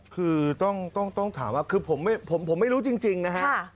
คือต้องถามว่าคือผมไม่รู้จริงนะฮะ